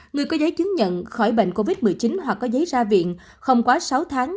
người có giấy chứng nhận khỏi bệnh covid một mươi chín hoặc có giấy ra viện không quá sáu tháng